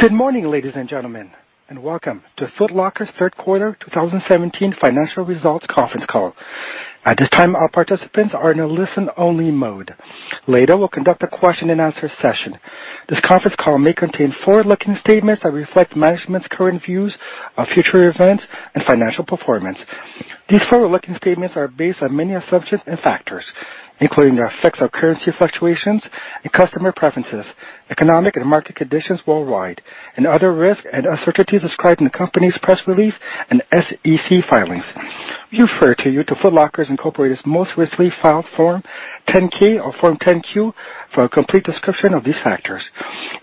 Good morning, ladies and gentlemen, welcome to Foot Locker's third quarter 2017 financial results conference call. At this time, all participants are in a listen-only mode. Later, we'll conduct a question-and-answer session. This conference call may contain forward-looking statements that reflect management's current views of future events and financial performance. These forward-looking statements are based on many assumptions and factors, including the effects of currency fluctuations and customer preferences, economic and market conditions worldwide, and other risks and uncertainties described in the company's press release and SEC filings. We refer to Foot Locker, Inc.'s most recently filed Form 10-K or Form 10-Q for a complete description of these factors.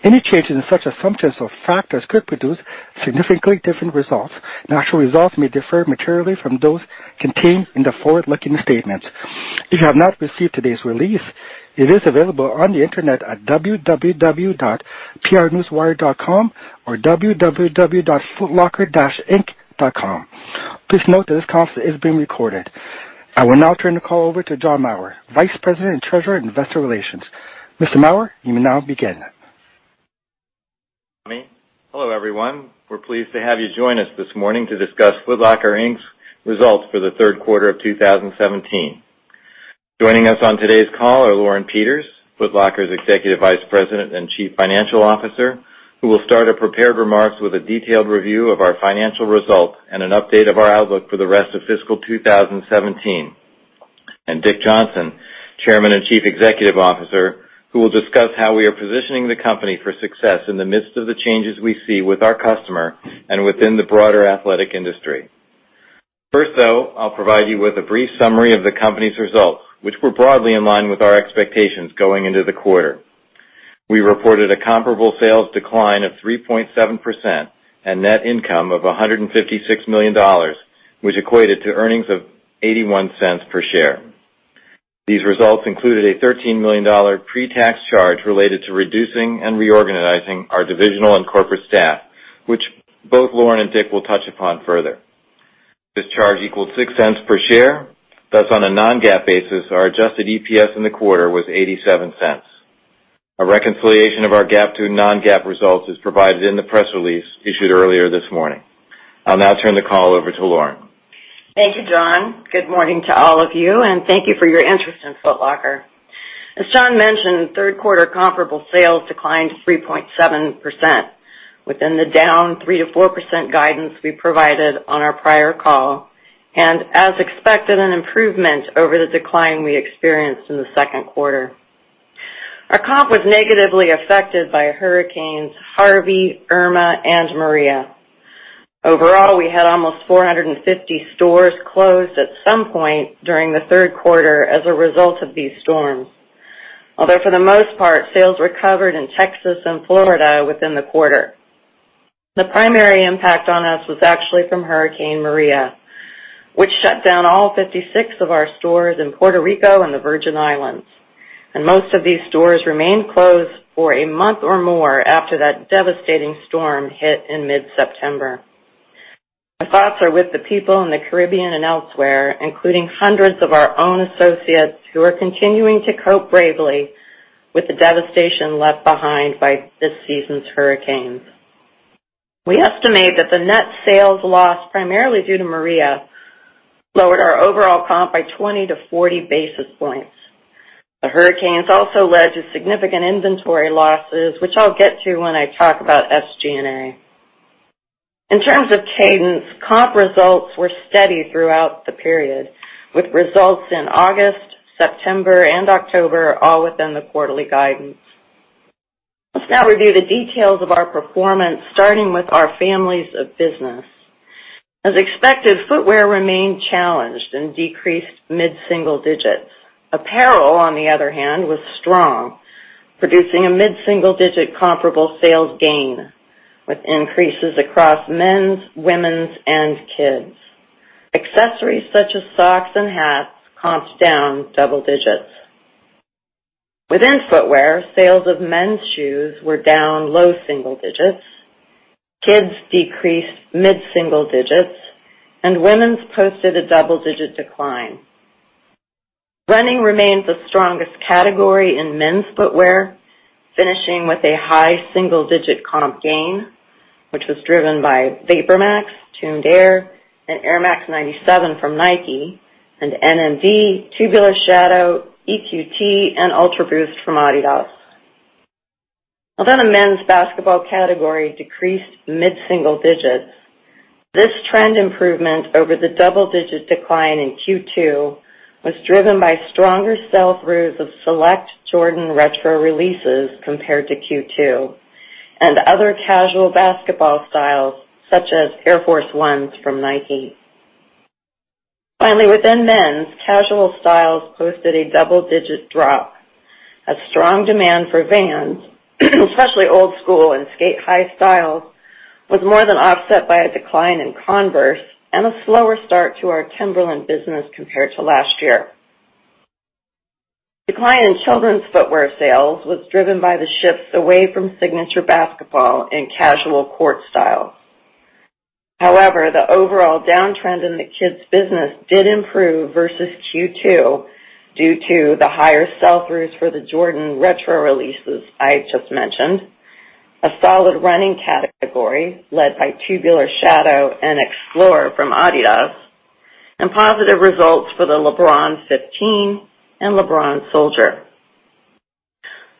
Any changes in such assumptions or factors could produce significantly different results. Actual results may differ materially from those contained in the forward-looking statements. If you have not received today's release, it is available on the internet at www.prnewswire.com or www.footlocker-inc.com. Please note that this conference is being recorded. I will now turn the call over to John Maurer, Vice President and Treasurer of Investor Relations. Mr. Maurer, you may now begin. Hello, everyone. We're pleased to have you join us this morning to discuss Foot Locker, Inc.'s results for the third quarter of 2017. Joining us on today's call are Lauren Peters, Foot Locker's Executive Vice President and Chief Financial Officer, who will start a prepared remarks with a detailed review of our financial results and an update of our outlook for the rest of fiscal 2017. Dick Johnson, Chairman and Chief Executive Officer, who will discuss how we are positioning the company for success in the midst of the changes we see with our customer and within the broader athletic industry. First, though, I'll provide you with a brief summary of the company's results, which were broadly in line with our expectations going into the quarter. We reported a comparable sales decline of 3.7% and net income of $156 million, which equated to earnings of $0.81 per share. These results included a $13 million pre-tax charge related to reducing and reorganizing our divisional and corporate staff, which both Lauren and Dick will touch upon further. This charge equals $0.06 per share. Thus, on a non-GAAP basis, our adjusted EPS in the quarter was $0.87. A reconciliation of our GAAP to non-GAAP results is provided in the press release issued earlier this morning. I'll now turn the call over to Lauren. Thank you, John. Good morning to all of you, and thank you for your interest in Foot Locker. As John mentioned, third quarter comparable sales declined to 3.7%, within the down 3%-4% guidance we provided on our prior call, and, as expected, an improvement over the decline we experienced in the second quarter. Our comp was negatively affected by hurricanes Harvey, Irma, and Maria. Overall, we had almost 450 stores closed at some point during the third quarter as a result of these storms. Although for the most part, sales recovered in Texas and Florida within the quarter. The primary impact on us was actually from Hurricane Maria, which shut down all 56 of our stores in Puerto Rico and the Virgin Islands. Most of these stores remained closed for a month or more after that devastating storm hit in mid-September. Our thoughts are with the people in the Caribbean and elsewhere, including hundreds of our own associates who are continuing to cope bravely with the devastation left behind by this season's hurricanes. We estimate that the net sales loss, primarily due to Maria, lowered our overall comp by 20-40 basis points. The hurricanes also led to significant inventory losses, which I'll get to when I talk about SG&A. In terms of cadence, comp results were steady throughout the period, with results in August, September, and October, all within the quarterly guidance. Let's now review the details of our performance, starting with our families of business. As expected, footwear remained challenged and decreased mid-single digits. Apparel, on the other hand, was strong, producing a mid-single-digit comparable sales gain with increases across men's, women's, and kids. Accessories such as socks and hats comped down double digits. Within footwear, sales of men's shoes were down low single digits. Kids decreased mid-single digits. Women's posted a double-digit decline. Running remains the strongest category in men's footwear, finishing with a high single-digit comp gain, which was driven by VaporMax, Tuned Air, and Air Max 97 from Nike, and NMD, Tubular Shadow, EQT, and UltraBoost from Adidas. Although the men's basketball category decreased mid-single digits, this trend improvement over the double-digit decline in Q2 was driven by stronger sell-through of select Jordan retro releases compared to Q2 and other casual basketball styles such as Air Force 1s from Nike. Finally, within men's, casual styles posted a double-digit drop. A strong demand for Vans, especially Old Skool and Sk8-Hi styles, was more than offset by a decline in Converse and a slower start to our Timberland business compared to last year. Decline in children's footwear sales was driven by the shifts away from signature basketball and casual court style. However, the overall downtrend in the kids' business did improve versus Q2 due to the higher sell-throughs for the Jordan retro releases I just mentioned, a solid running category led by Tubular Shadow and X_PLR from Adidas, and positive results for the LeBron 15 and LeBron Soldier.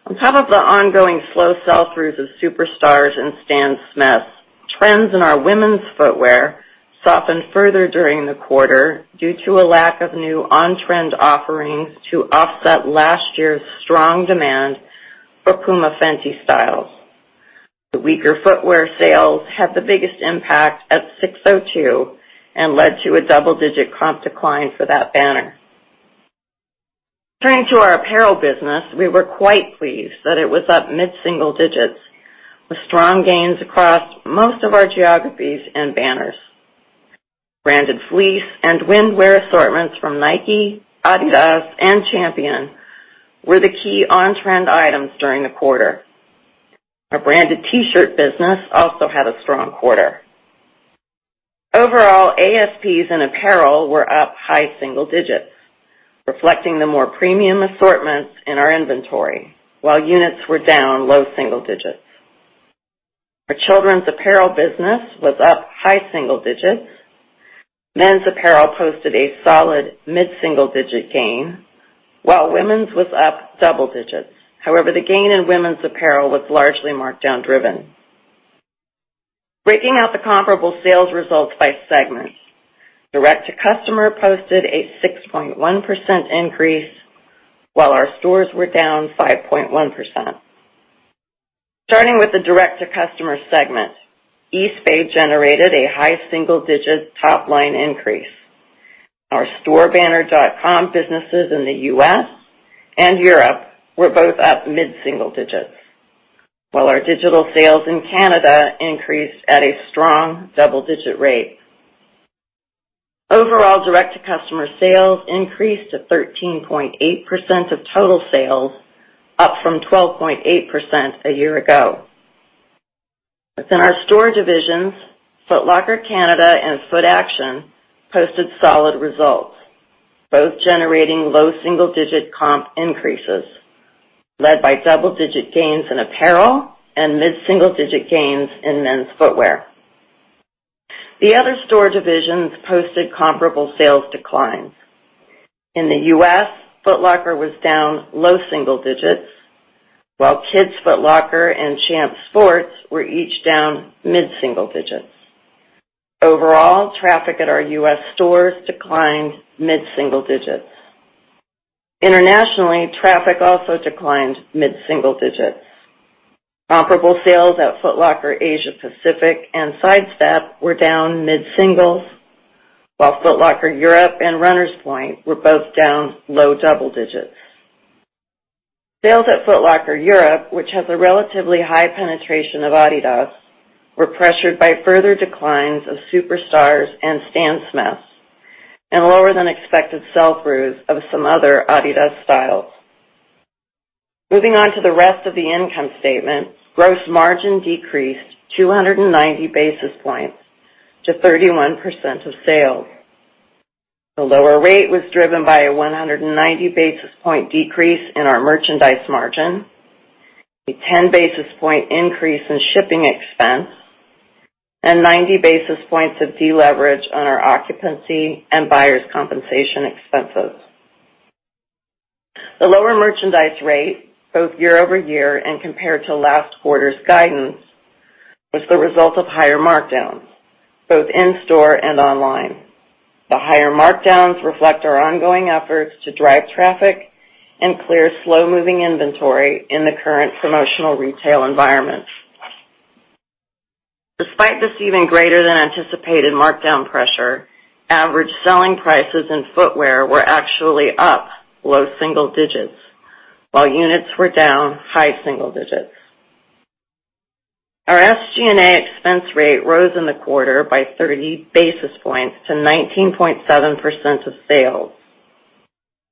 On top of the ongoing slow sell-throughs of Superstars and Stan Smiths, trends in our women's footwear softened further during the quarter due to a lack of new on-trend offerings to offset last year's strong demand for Puma Fenty styles. The weaker footwear sales had the biggest impact at SIX:02 and led to a double-digit comp decline for that banner. Turning to our apparel business, we were quite pleased that it was up mid-single digits with strong gains across most of our geographies and banners. Branded fleece and windwear assortments from Nike, Adidas, and Champion were the key on-trend items during the quarter. Our branded T-shirt business also had a strong quarter. Overall, ASPs in apparel were up high single digits, reflecting the more premium assortments in our inventory, while units were down low single digits. Our children's apparel business was up high single digits. Men's apparel posted a solid mid-single-digit gain, while women's was up double digits. However, the gain in women's apparel was largely markdown driven. Breaking out the comparable sales results by segments. Direct-to-customer posted a 6.1% increase, while our stores were down 5.1%. Starting with the direct-to-customer segment, Eastbay generated a high single-digit top-line increase. Our store banner dot-com businesses in the U.S. and Europe were both up mid-single digits, while our digital sales in Canada increased at a strong double-digit rate. Overall direct-to-customer sales increased to 13.8% of total sales, up from 12.8% a year ago. Within our store divisions, Foot Locker Canada and Footaction posted solid results, both generating low single-digit comp increases led by double-digit gains in apparel and mid-single-digit gains in men's footwear. The other store divisions posted comparable sales declines. In the U.S., Foot Locker was down low single digits, while Kids Foot Locker and Champs Sports were each down mid-single digits. Overall, traffic at our U.S. stores declined mid-single digits. Internationally, traffic also declined mid-single digits. Comparable sales at Foot Locker Asia Pacific and Sidestep were down mid-single, while Foot Locker Europe and Runners Point were both down low double digits. Sales at Foot Locker Europe, which has a relatively high penetration of Adidas, were pressured by further declines of Superstars and Stan Smiths and lower than expected sell-throughs of some other Adidas styles. Moving on to the rest of the income statement. Gross margin decreased 290 basis points to 31% of sales. The lower rate was driven by a 190 basis point decrease in our merchandise margin, a 10 basis point increase in shipping expense, and 90 basis points of deleverage on our occupancy and buyer's compensation expenses. The lower merchandise rate, both year-over-year and compared to last quarter's guidance, was the result of higher markdowns, both in store and online. The higher markdowns reflect our ongoing efforts to drive traffic and clear slow-moving inventory in the current promotional retail environment. Despite this even greater than anticipated markdown pressure, average selling prices in footwear were actually up low single digits, while units were down high single digits. Our SG&A expense rate rose in the quarter by 30 basis points to 19.7% of sales.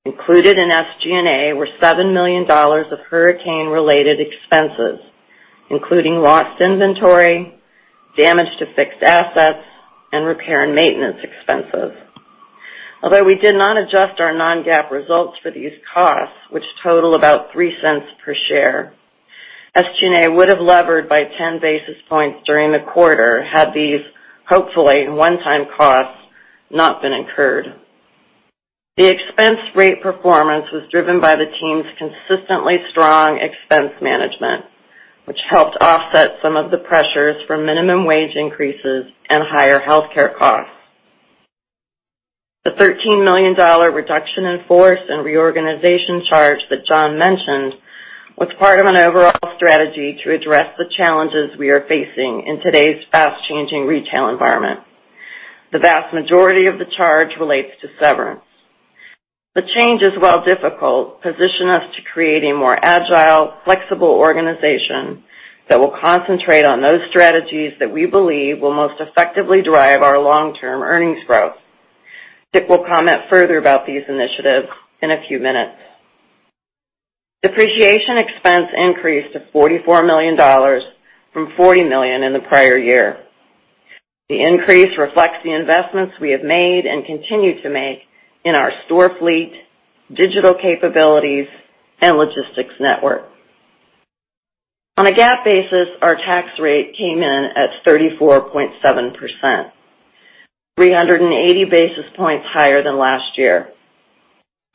Included in SG&A were $7 million of hurricane-related expenses, including lost inventory, damage to fixed assets, and repair and maintenance expenses. Although we did not adjust our non-GAAP results for these costs, which total about $0.03 per share, SG&A would have levered by 10 basis points during the quarter had these, hopefully one-time costs, not been incurred. The expense rate performance was driven by the team's consistently strong expense management, which helped offset some of the pressures from minimum wage increases and higher healthcare costs. The $13 million reduction in force and reorganization charge that John mentioned was part of an overall strategy to address the challenges we are facing in today's fast-changing retail environment. The vast majority of the charge relates to severance. The changes, while difficult, position us to create a more agile, flexible organization that will concentrate on those strategies that we believe will most effectively drive our long-term earnings growth. Dick will comment further about these initiatives in a few minutes. Depreciation expense increased to $44 million from $40 million in the prior year. The increase reflects the investments we have made and continue to make in our store fleet, digital capabilities, and logistics network. On a GAAP basis, our tax rate came in at 34.7%, 380 basis points higher than last year.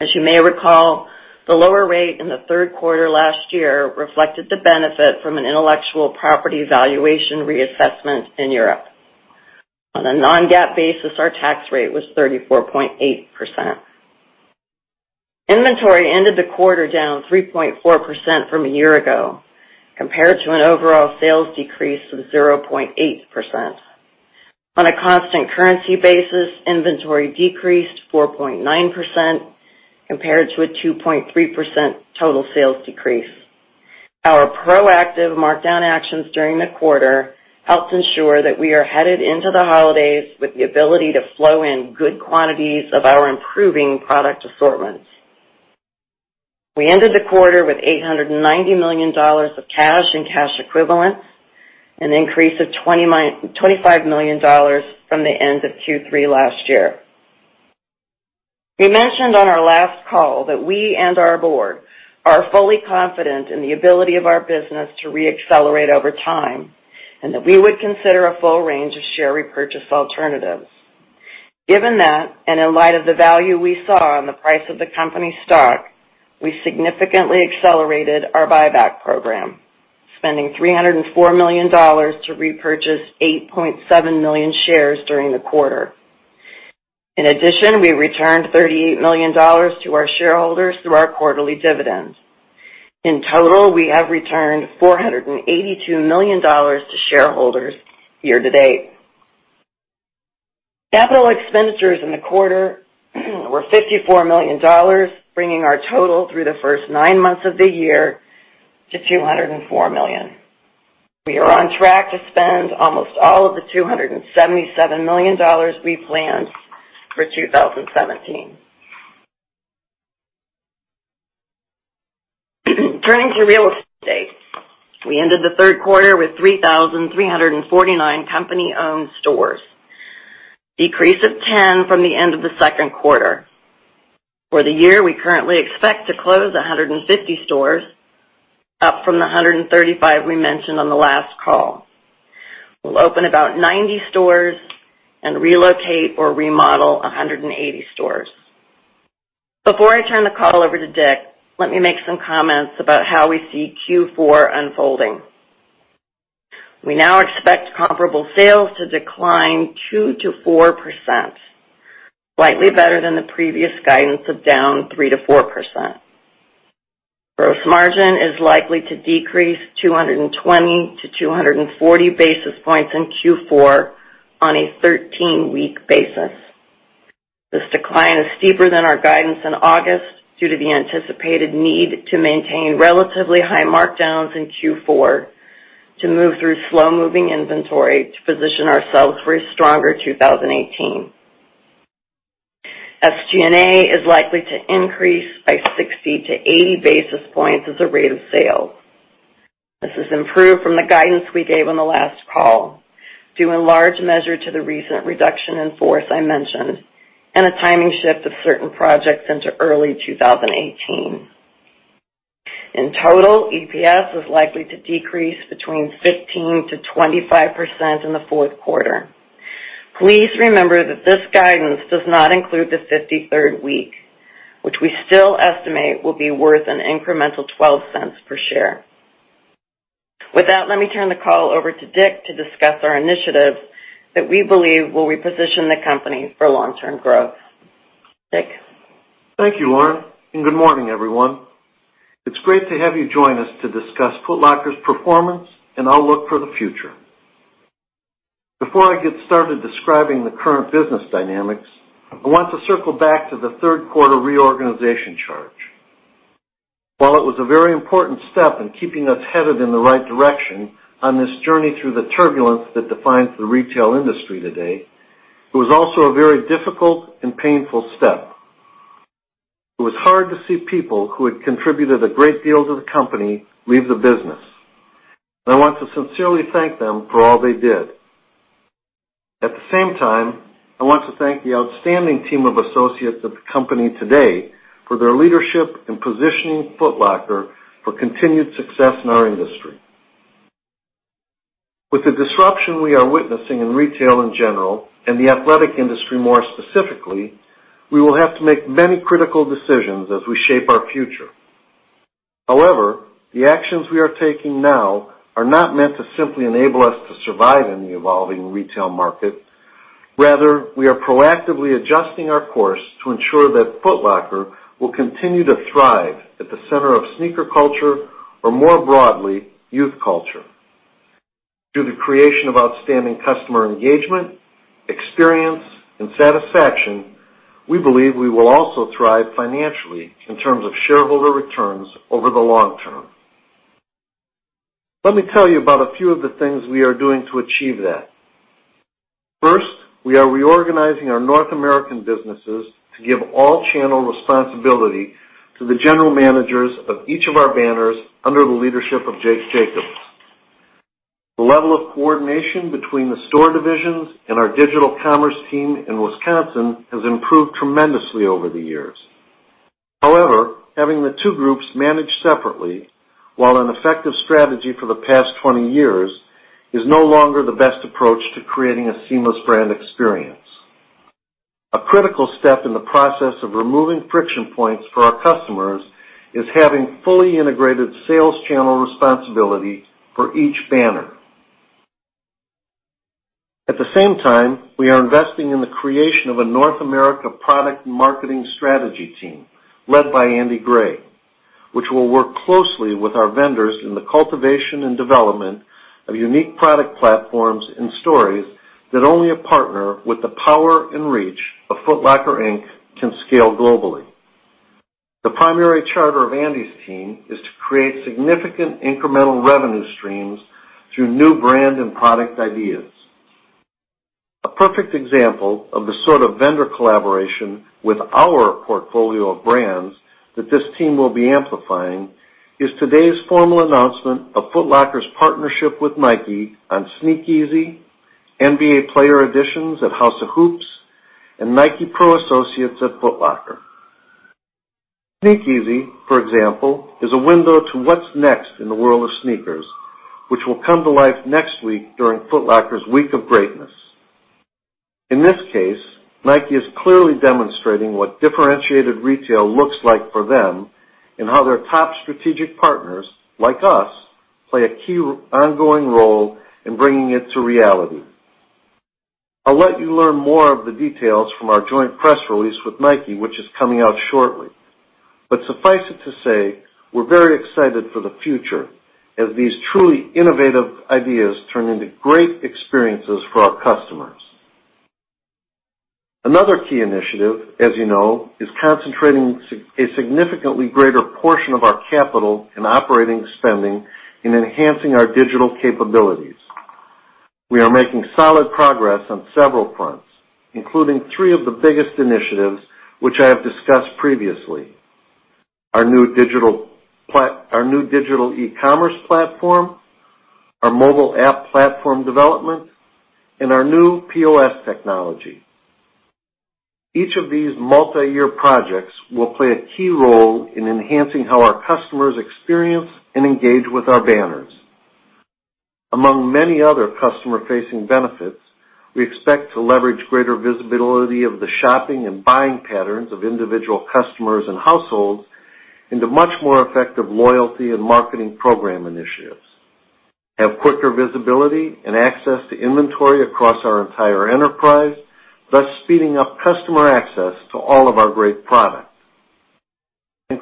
As you may recall, the lower rate in the third quarter last year reflected the benefit from an intellectual property valuation reassessment in Europe. On a non-GAAP basis, our tax rate was 34.8%. Inventory ended the quarter down 3.4% from a year ago, compared to an overall sales decrease of 0.8%. On a constant currency basis, inventory decreased 4.9%, compared to a 2.3% total sales decrease. Our proactive markdown actions during the quarter helps ensure that we are headed into the holidays with the ability to flow in good quantities of our improving product assortments. We ended the quarter with $890 million of cash and cash equivalents, an increase of $25 million from the end of Q3 last year. We mentioned on our last call that we and our board are fully confident in the ability of our business to re-accelerate over time, and that we would consider a full range of share repurchase alternatives. Given that, and in light of the value we saw on the price of the company stock, we significantly accelerated our buyback program, spending $304 million to repurchase 8.7 million shares during the quarter. In addition, we returned $38 million to our shareholders through our quarterly dividends. In total, we have returned $482 million to shareholders year-to-date. Capital expenditures in the quarter were $54 million, bringing our total through the first nine months of the year to $204 million. We are on track to spend almost all of the $277 million we planned for 2017. Turning to real estate, we ended the third quarter with 3,349 company-owned stores, decrease of 10 from the end of the second quarter. For the year, we currently expect to close 150 stores, up from the 135 we mentioned on the last call. We'll open about 90 stores and relocate or remodel 180 stores. Before I turn the call over to Dick, let me make some comments about how we see Q4 unfolding. We now expect comparable sales to decline 2%-4%, slightly better than the previous guidance of down 3%-4%. Gross margin is likely to decrease 220-240 basis points in Q4 on a 13-week basis. This decline is steeper than our guidance in August due to the anticipated need to maintain relatively high markdowns in Q4 to move through slow-moving inventory to position ourselves for a stronger 2018. SG&A is likely to increase by 60-80 basis points as a rate of sale. This is improved from the guidance we gave on the last call, due in large measure to the recent reduction in force I mentioned and a timing shift of certain projects into early 2018. In total, EPS is likely to decrease between 15%-25% in the fourth quarter. Please remember that this guidance does not include the 53rd week, which we still estimate will be worth an incremental $0.12 per share. With that, let me turn the call over to Dick to discuss our initiatives that we believe will reposition the company for long-term growth. Dick? Thank you, Lauren. Good morning, everyone. It's great to have you join us to discuss Foot Locker's performance and outlook for the future. Before I get started describing the current business dynamics, I want to circle back to the third quarter reorganization charge. While it was a very important step in keeping us headed in the right direction on this journey through the turbulence that defines the retail industry today, it was also a very difficult and painful step. It was hard to see people who had contributed a great deal to the company leave the business. I want to sincerely thank them for all they did. At the same time, I want to thank the outstanding team of associates of the company today for their leadership in positioning Foot Locker for continued success in our industry. With the disruption we are witnessing in retail in general, and the athletic industry more specifically, we will have to make many critical decisions as we shape our future. However, the actions we are taking now are not meant to simply enable us to survive in the evolving retail market. Rather, we are proactively adjusting our course to ensure that Foot Locker will continue to thrive at the center of sneaker culture or, more broadly, youth culture. Through the creation of outstanding customer engagement, experience, and satisfaction, we believe we will also thrive financially in terms of shareholder returns over the long term. Let me tell you about a few of the things we are doing to achieve that. First, we are reorganizing our North American businesses to give all channel responsibility to the general managers of each of our banners under the leadership of Jake Jacobs. The level of coordination between the store divisions and our digital commerce team in Wisconsin has improved tremendously over the years. However, having the two groups manage separately, while an effective strategy for the past 20 years, is no longer the best approach to creating a seamless brand experience. A critical step in the process of removing friction points for our customers is having fully integrated sales channel responsibility for each banner. At the same time, we are investing in the creation of a North America product marketing strategy team led by Andy Gray, which will work closely with our vendors in the cultivation and development of unique product platforms and stories that only a partner with the power and reach of Foot Locker, Inc. can scale globally. The primary charter of Andy's team is to create significant incremental revenue streams through new brand and product ideas. A perfect example of the sort of vendor collaboration with our portfolio of brands that this team will be amplifying is today's formal announcement of Foot Locker's partnership with Nike on Sneakeasy, NBA Player Editions at House of Hoops, and Nike Pro Associates at Foot Locker. Sneakeasy, for example, is a window to what's next in the world of sneakers, which will come to life next week during Foot Locker's Week of Greatness. In this case, Nike is clearly demonstrating what differentiated retail looks like for them and how their top strategic partners, like us, play a key ongoing role in bringing it to reality. I'll let you learn more of the details from our joint press release with Nike, which is coming out shortly. Suffice it to say, we're very excited for the future as these truly innovative ideas turn into great experiences for our customers. Another key initiative, as you know, is concentrating a significantly greater portion of our capital and operating spending in enhancing our digital capabilities. We are making solid progress on several fronts, including three of the biggest initiatives which I have discussed previously. Our new digital e-commerce platform, our mobile app platform development, and our new POS technology. Each of these multiyear projects will play a key role in enhancing how our customers experience and engage with our banners. Among many other customer-facing benefits, we expect to leverage greater visibility of the shopping and buying patterns of individual customers and households into much more effective loyalty and marketing program initiatives, have quicker visibility and access to inventory across our entire enterprise, thus speeding up customer access to all of our great products.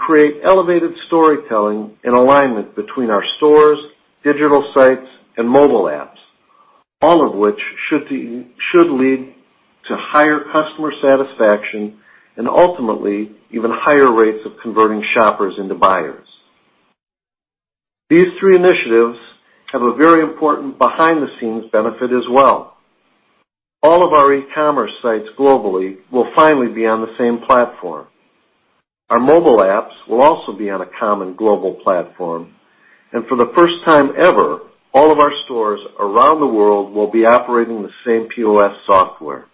Create elevated storytelling and alignment between our stores, digital sites, and mobile apps, all of which should lead to higher customer satisfaction and ultimately even higher rates of converting shoppers into buyers. These three initiatives have a very important behind-the-scenes benefit as well. All of our e-commerce sites globally will finally be on the same platform. Our mobile apps will also be on a common global platform, and for the first time ever, all of our stores around the world will be operating the same POS software.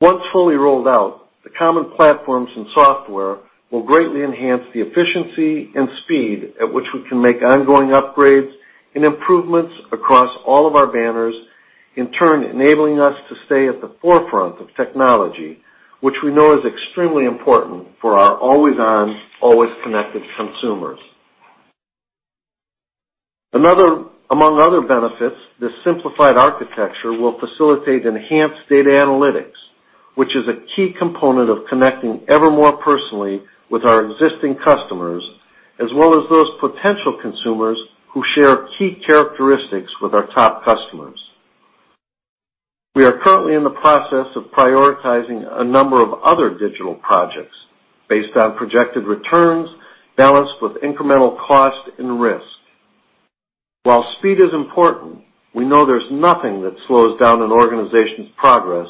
Once fully rolled out, the common platforms and software will greatly enhance the efficiency and speed at which we can make ongoing upgrades and improvements across all of our banners, in turn enabling us to stay at the forefront of technology, which we know is extremely important for our always on, always connected consumers. Among other benefits, this simplified architecture will facilitate enhanced data analytics, which is a key component of connecting ever more personally with our existing customers as well as those potential consumers who share key characteristics with our top customers. We are currently in the process of prioritizing a number of other digital projects based on projected returns balanced with incremental cost and risk. While speed is important, we know there's nothing that slows down an organization's progress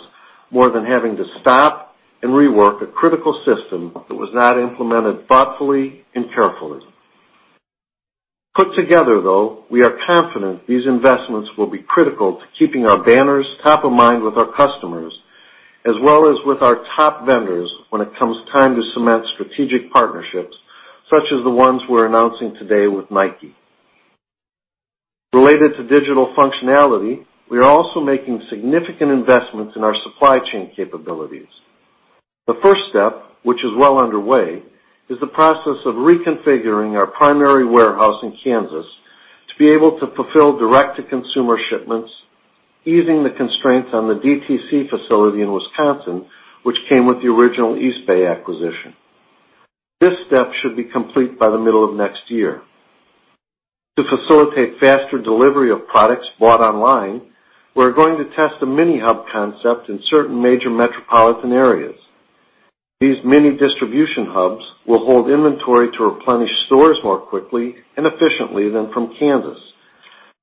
more than having to stop and rework a critical system that was not implemented thoughtfully and carefully. Put together, though, we are confident these investments will be critical to keeping our banners top of mind with our customers as well as with our top vendors when it comes time to cement strategic partnerships, such as the ones we're announcing today with Nike. Related to digital functionality, we are also making significant investments in our supply chain capabilities. The first step, which is well underway, is the process of reconfiguring our primary warehouse in Kansas to be able to fulfill direct-to-consumer shipments, easing the constraints on the DTC facility in Wisconsin, which came with the original Eastbay acquisition. This step should be complete by the middle of next year. To facilitate faster delivery of products bought online, we're going to test a mini hub concept in certain major metropolitan areas. These mini distribution hubs will hold inventory to replenish stores more quickly and efficiently than from Kansas,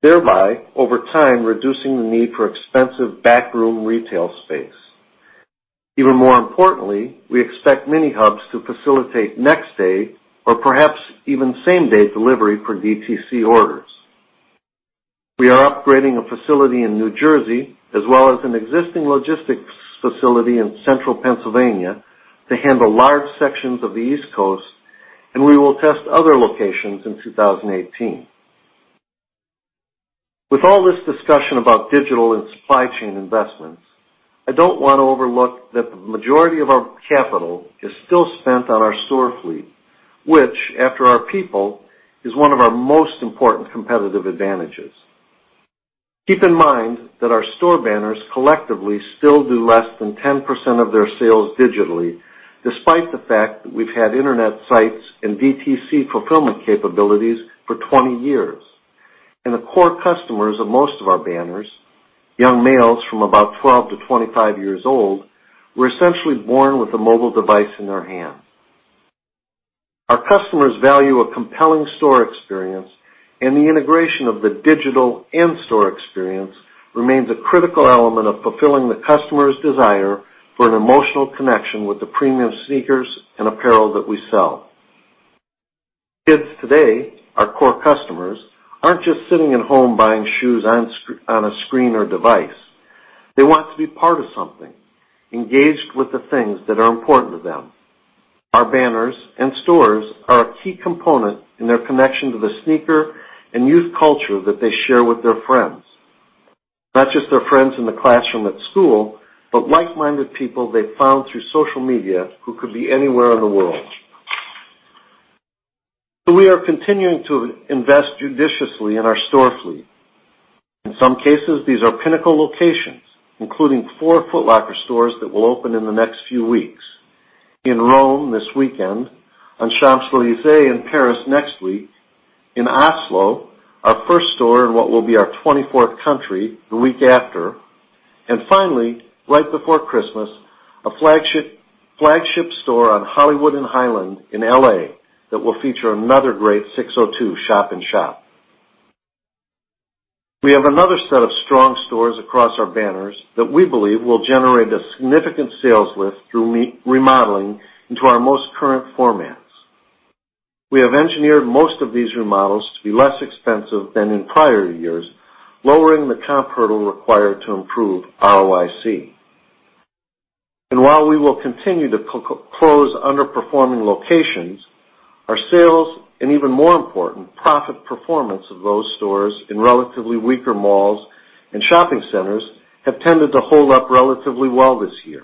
thereby, over time, reducing the need for expensive backroom retail space. Even more importantly, we expect mini hubs to facilitate next-day or perhaps even same-day delivery for DTC orders. We are upgrading a facility in New Jersey as well as an existing logistics facility in central Pennsylvania to handle large sections of the East Coast. We will test other locations in 2018. With all this discussion about digital and supply chain investments, I don't want to overlook that the majority of our capital is still spent on our store fleet, which, after our people, is one of our most important competitive advantages. Keep in mind that our store banners collectively still do less than 10% of their sales digitally, despite the fact that we've had internet sites and DTC fulfillment capabilities for 20 years. The core customers of most of our banners, young males from about 12 to 25 years old, were essentially born with a mobile device in their hand. Our customers value a compelling store experience. The integration of the digital in-store experience remains a critical element of fulfilling the customer's desire for an emotional connection with the premium sneakers and apparel that we sell. Kids today, our core customers, aren't just sitting at home buying shoes on a screen or device. They want to be part of something, engaged with the things that are important to them. Our banners and stores are a key component in their connection to the sneaker and youth culture that they share with their friends. Not just their friends in the classroom at school, but like-minded people they found through social media who could be anywhere in the world. We are continuing to invest judiciously in our store fleet. In some cases, these are pinnacle locations, including four Foot Locker stores that will open in the next few weeks. In Rome this weekend, on Champs-Élysées in Paris next week, in Oslo, our first store in what will be our 24th country, the week after. Finally, right before Christmas, a flagship store on Hollywood and Highland in L.A. that will feature another great SIX:02 shop-in-shop. We have another set of strong stores across our banners that we believe will generate a significant sales lift through remodeling into our most current formats. We have engineered most of these remodels to be less expensive than in prior years, lowering the comp hurdle required to improve ROIC. While we will continue to close underperforming locations, our sales, and even more important, profit performance of those stores in relatively weaker malls and shopping centers have tended to hold up relatively well this year.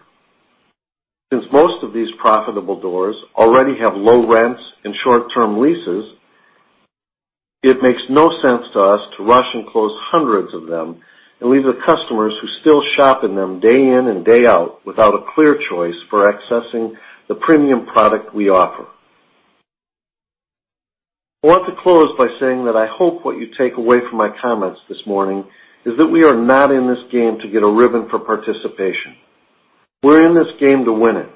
Since most of these profitable doors already have low rents and short-term leases, it makes no sense to us to rush and close hundreds of them and leave the customers who still shop in them day in and day out without a clear choice for accessing the premium product we offer. I want to close by saying that I hope what you take away from my comments this morning is that we are not in this game to get a ribbon for participation. We're in this game to win it.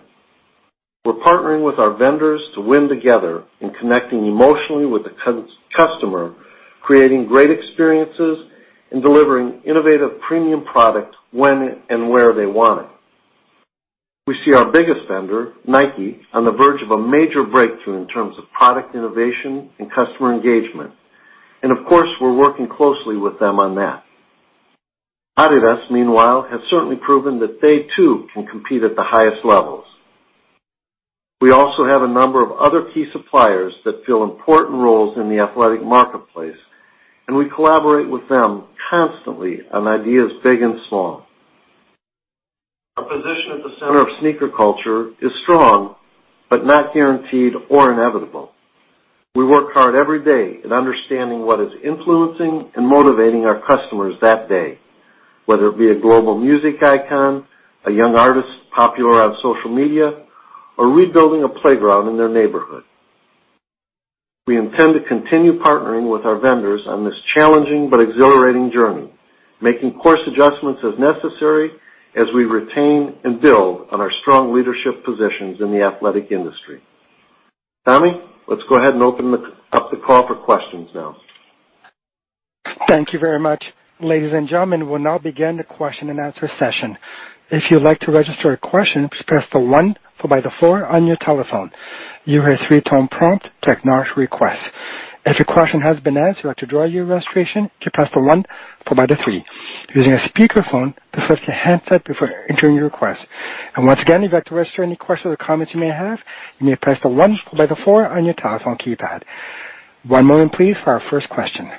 We're partnering with our vendors to win together in connecting emotionally with the customer, creating great experiences, and delivering innovative premium product when and where they want it. We see our biggest vendor, Nike, on the verge of a major breakthrough in terms of product innovation and customer engagement. Of course, we're working closely with them on that. Adidas, meanwhile, has certainly proven that they too can compete at the highest levels. We also have a number of other key suppliers that fill important roles in the athletic marketplace, and we collaborate with them constantly on ideas big and small. Our position at the center of sneaker culture is strong, but not guaranteed or inevitable. We work hard every day at understanding what is influencing and motivating our customers that day, whether it be a global music icon, a young artist popular on social media, or rebuilding a playground in their neighborhood. We intend to continue partnering with our vendors on this challenging but exhilarating journey, making course adjustments as necessary as we retain and build on our strong leadership positions in the athletic industry. Tommy, let's go ahead and open up the call for questions now. Thank you very much. Ladies and gentlemen, we'll now begin the question and answer session. If you'd like to register a question, please press the one followed by the four on your telephone. You will hear a three-tone prompt to acknowledge request. If your question has been asked and you'd like to withdraw your registration, you can press the one followed by the three. If you're using a speakerphone, please press the handset before entering your request. Once again, if you'd like to register any questions or comments you may have, you may press the one followed by the four on your telephone keypad. One moment please for our first question.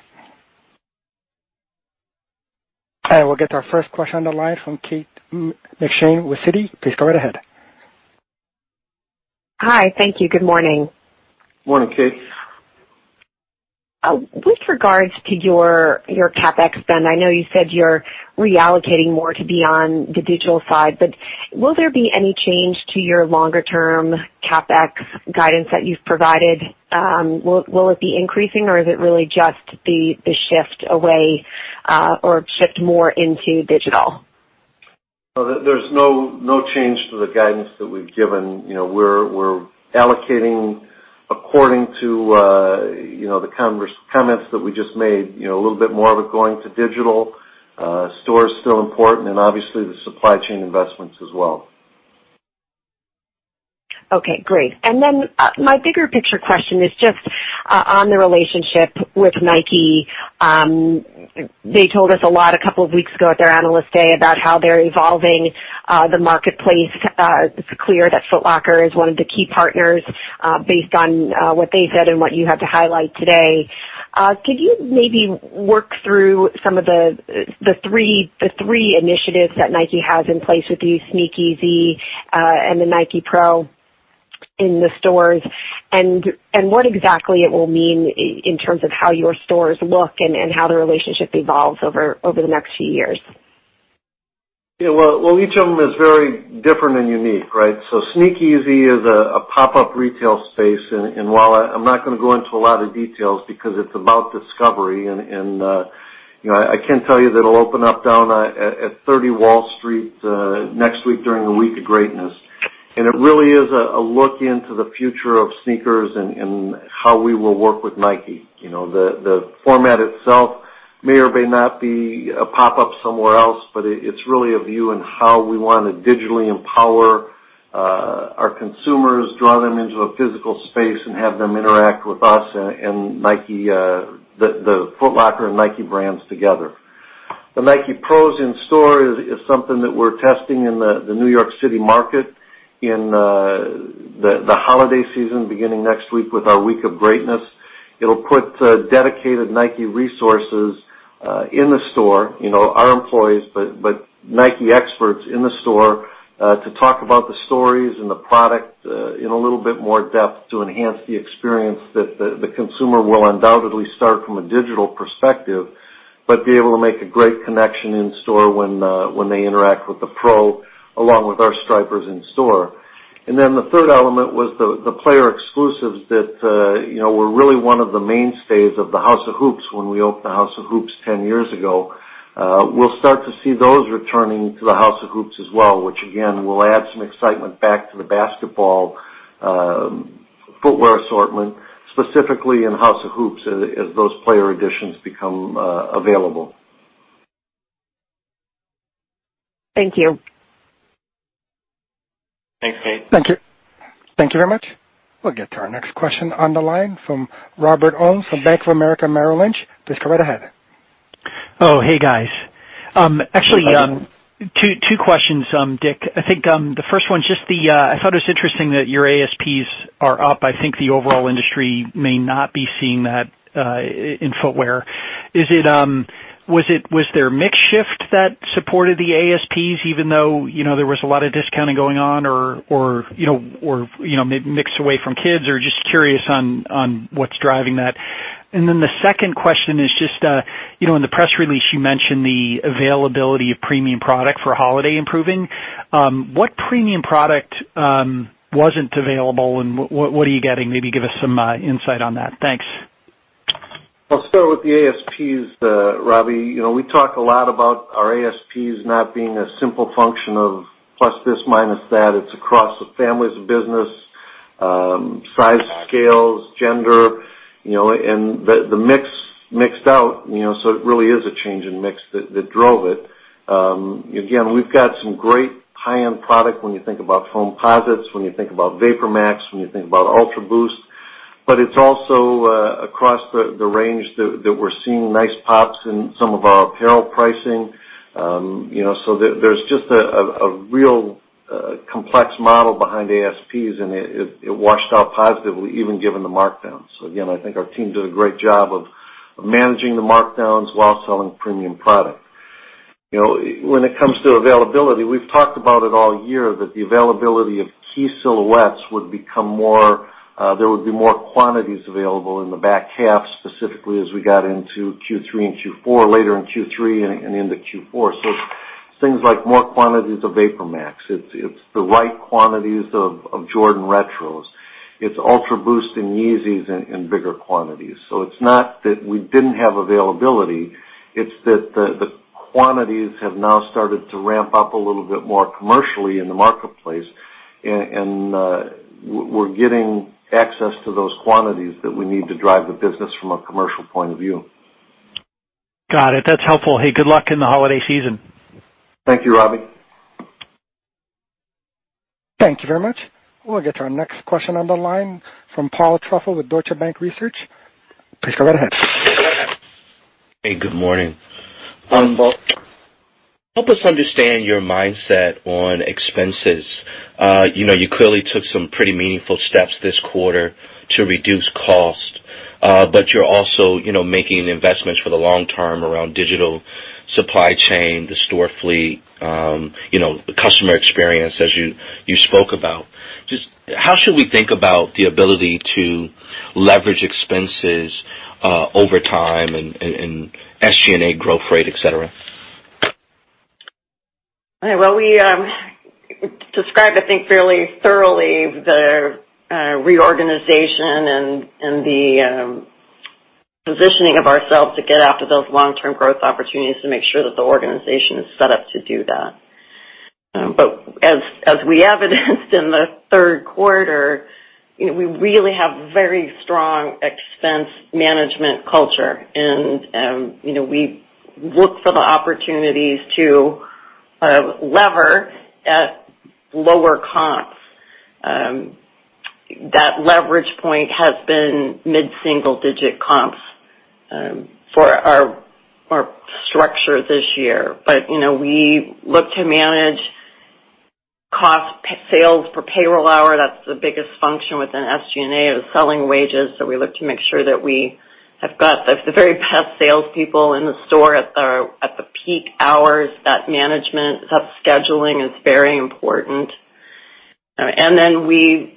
We'll get to our first question on the line from Kate McShane with Citi. Please go right ahead. Hi. Thank you. Good morning. Morning, Kate. With regards to your CapEx spend, I know you said you're reallocating more to be on the digital side, will there be any change to your longer-term CapEx guidance that you've provided? Will it be increasing or is it really just the shift away or shift more into digital? There's no change to the guidance that we've given. We're allocating according to the comments that we just made, a little bit more of it going to digital. Store is still important and obviously the supply chain investments as well. Okay, great. My bigger picture question is just on the relationship with Nike. They told us a lot a couple of weeks ago at their Analyst Day about how they're evolving the marketplace. It's clear that Foot Locker is one of the key partners based on what they said and what you had to highlight today. Could you maybe work through some of the three initiatives that Nike has in place with the Sneakeasy and the Nike Pro in the stores? What exactly it will mean in terms of how your stores look and how the relationship evolves over the next few years? Yeah. Well, each of them is very different and unique, right? Sneakeasy is a pop-up retail space, while I'm not going to go into a lot of details, because it's about discovery, I can tell you that it'll open up down at 30 Wall Street next week during the Week of Greatness. It really is a look into the future of sneakers and how we will work with Nike. The format itself may or may not be a pop-up somewhere else, it's really a view in how we want to digitally empower our consumers, draw them into a physical space and have them interact with us and the Foot Locker and Nike brands together. The Nike Pros in store is something that we're testing in the New York City market in the holiday season, beginning next week with our Week of Greatness. It'll put dedicated Nike resources in the store, our employees, but Nike experts in the store, to talk about the stories and the product in a little bit more depth to enhance the experience that the consumer will undoubtedly start from a digital perspective, but be able to make a great connection in store when they interact with the Pro, along with our Stripers in store. The third element was the player exclusives that were really one of the mainstays of the House of Hoops when we opened the House of Hoops 10 years ago. We'll start to see those returning to the House of Hoops as well, which again, will add some excitement back to the basketball footwear assortment, specifically in House of Hoops, as those player editions become available. Thank you. Thanks, Kate. Thank you. Thank you very much. We'll get to our next question on the line from Robert Ohmes from Bank of America Merrill Lynch. Please go right ahead. Oh, hey, guys. Actually, two questions, Dick. I think, the first one is just I thought it was interesting that your ASP are up. I think the overall industry may not be seeing that in footwear. Was there a mix shift that supported the ASP even though there was a lot of discounting going on? Mix away from kids, or just curious on what's driving that. The second question is just, in the press release, you mentioned the availability of premium product for holiday improving. What premium product wasn't available, and what are you getting? Maybe give us some insight on that. Thanks. I'll start with the ASP, Robbie. We talk a lot about our ASP not being a simple function of plus this, minus that. It's across the families of business, size, scales, gender. The mix mixed out, so it really is a change in mix that drove it. Again, we've got some great high-end product when you think about Foamposite, when you think about VaporMax, when you think about UltraBoost. It's also across the range that we're seeing nice pops in some of our apparel pricing. There's just a real complex model behind ASP, and it washed out positively, even given the markdowns. Again, I think our team did a great job of managing the markdowns while selling premium product. When it comes to availability, we've talked about it all year that the availability of key silhouettes would become more quantities available in the back half, specifically as we got into Q3 and Q4, later in Q3 and into Q4. It's things like more quantities of VaporMax. It's the right quantities of Jordan Retros. It's UltraBoost and Yeezy in bigger quantities. It's not that we didn't have availability, it's that the quantities have now started to ramp up a little bit more commercially in the marketplace, and we're getting access to those quantities that we need to drive the business from a commercial point of view. Got it. That's helpful. Hey, good luck in the holiday season. Thank you, Robbie. Thank you very much. We'll get to our next question on the line from Paul Trussell with Deutsche Bank Research. Please go right ahead. Hey, good morning. Help us understand your mindset on expenses. You clearly took some pretty meaningful steps this quarter to reduce cost. You're also making investments for the long term around digital supply chain, the store fleet, the customer experience, as you spoke about. Just how should we think about the ability to leverage expenses over time and SG&A growth rate, et cetera? Described, I think, fairly thoroughly the reorganization and the positioning of ourselves to get after those long-term growth opportunities to make sure that the organization is set up to do that. As we evidenced in the third quarter, we really have very strong expense management culture, and we look for the opportunities to lever at lower comps. That leverage point has been mid-single-digit comps for our structure this year. We look to manage cost sales per payroll hour. That's the biggest function within SG&A, is selling wages. We look to make sure that we have got the very best salespeople in the store at the peak hours. That management, that scheduling is very important. Then we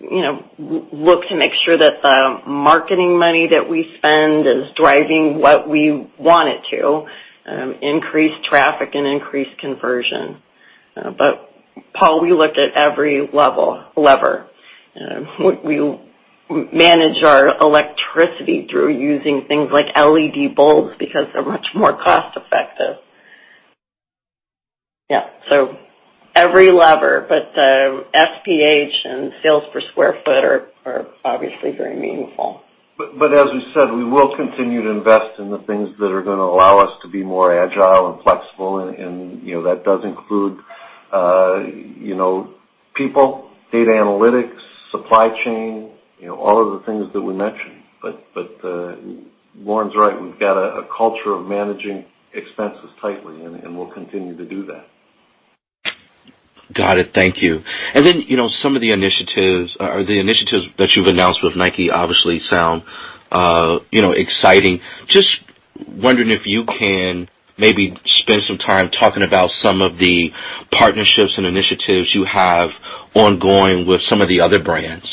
look to make sure the marketing money that we spend is driving what we want it to, increase traffic and increase conversion. Paul, we look at every lever. We manage our electricity through using things like LED bulbs because they're much more cost-effective. Yeah. Every lever, but the SPH and sales per square foot are obviously very meaningful. As we said, we will continue to invest in the things that are going to allow us to be more agile and flexible, and that does include people, data analytics, supply chain, all of the things that we mentioned. Lauren's right. We've got a culture of managing expenses tightly, and we'll continue to do that. Got it. Thank you. Some of the initiatives, or the initiatives that you've announced with Nike obviously sound exciting. Just wondering if you can maybe spend some time talking about some of the partnerships and initiatives you have ongoing with some of the other brands,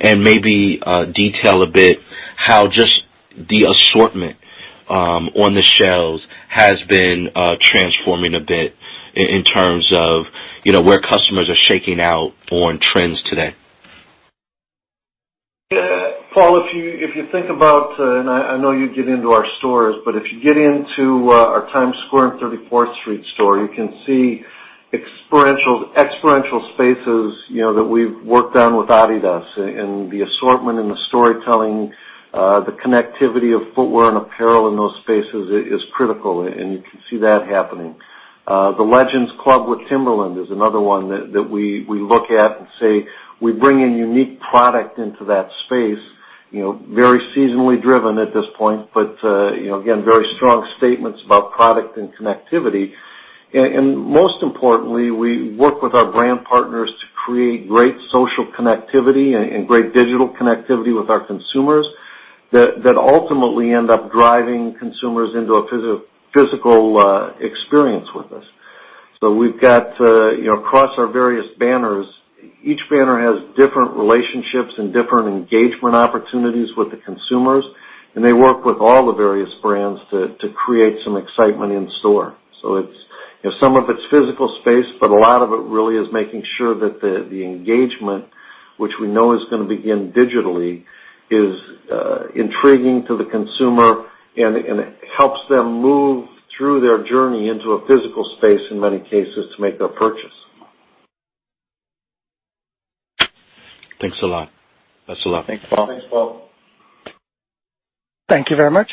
and maybe detail a bit how just the assortment on the shelves has been transforming a bit in terms of where customers are shaking out on trends today. Paul, if you think about, and I know you get into our stores, but if you get into our Times Square and 34th Street store, you can see experiential spaces that we've worked on with Adidas. The assortment and the storytelling, the connectivity of footwear and apparel in those spaces is critical, and you can see that happening. The Legends Club with Timberland is another one that we look at and say we bring a unique product into that space, very seasonally driven at this point, but again, very strong statements about product and connectivity. Most importantly, we work with our brand partners to create great social connectivity and great digital connectivity with our consumers that ultimately end up driving consumers into a physical experience with us. We've got, across our various banners, each banner has different relationships and different engagement opportunities with the consumers, and they work with all the various brands to create some excitement in store. Some of it's physical space, but a lot of it really is making sure that the engagement, which we know is going to begin digitally, is intriguing to the consumer and helps them move through their journey into a physical space, in many cases, to make their purchase. Thanks a lot. That's all. Thanks, Paul. Thanks, Paul. Thank you very much.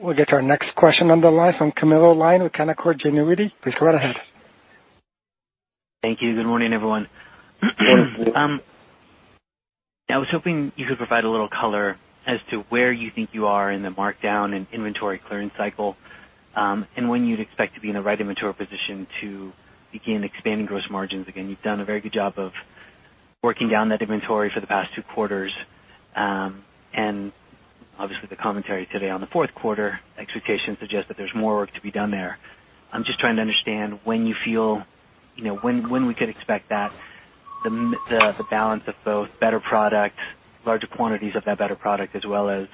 We'll get to our next question on the line from Camilo Lyon with Canaccord Genuity. Please go right ahead. Thank you. Good morning, everyone. I was hoping you could provide a little color as to where you think you are in the markdown and inventory clearance cycle, and when you'd expect to be in the right inventory position to begin expanding gross margins again. You've done a very good job of working down that inventory for the past two quarters. Obviously, the commentary today on the fourth quarter expectations suggest that there's more work to be done there. I'm just trying to understand when we could expect that the balance of both better product, larger quantities of that better product, as well as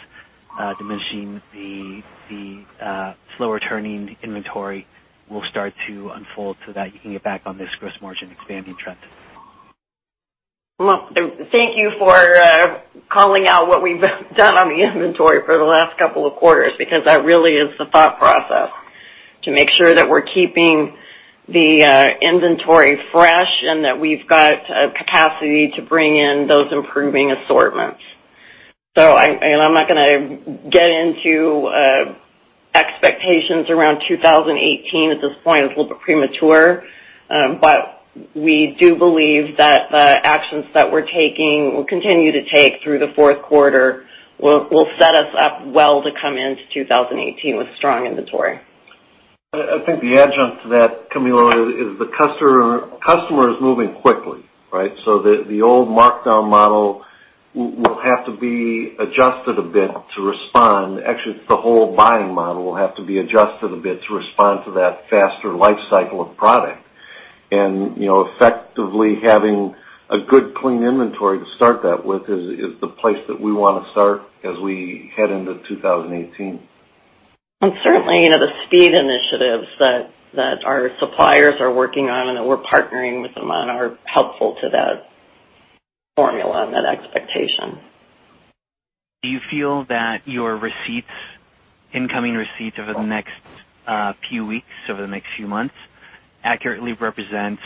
diminishing the slower-turning inventory will start to unfold so that you can get back on this gross margin expanding trend. Well, thank you for calling out what we've done on the inventory for the last couple of quarters, because that really is the thought process to make sure that we're keeping the inventory fresh and that we've got capacity to bring in those improving assortments. I'm not going to get into expectations around 2018 at this point. It's a little bit premature. We do believe that the actions that we're taking, will continue to take through the fourth quarter, will set us up well to come into 2018 with strong inventory. I think the adjunct to that, Camilo, is the customer is moving quickly, right? The old markdown model will have to be adjusted a bit to respond. Actually, the whole buying model will have to be adjusted a bit to respond to that faster life cycle of product. Effectively, having a good, clean inventory to start that with is the place that we want to start as we head into 2018. Certainly, the speed initiatives that our suppliers are working on and that we're partnering with them on are helpful to that formula and that expectation. Do you feel that your incoming receipts over the next few weeks, over the next few months, accurately represent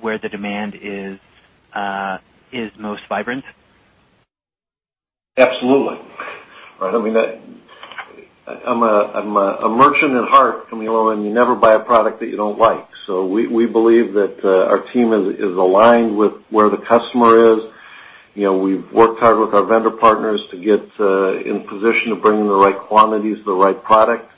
where the demand is most vibrant? Absolutely. I'm a merchant at heart, Camilo, you never buy a product that you don't like. We believe that our team is aligned with where the customer is. We've worked hard with our vendor partners to get in position to bring the right quantities, the right product.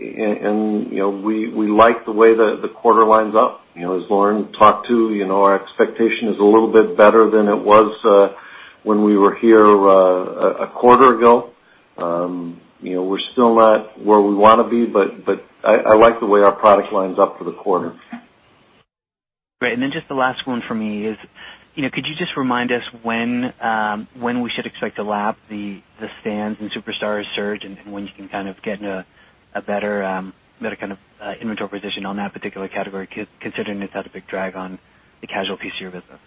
We like the way the quarter lines up. As Lauren talked to, our expectation is a little bit better than it was when we were here a quarter ago. We're still not where we want to be, I like the way our product lines up for the quarter. Great. Then just the last one for me is, could you just remind us when we should expect to lap the Stan Smith and Superstar surge, and when you can kind of get in a better kind of inventory position on that particular category, considering it's had a big drag on the casual piece of your business?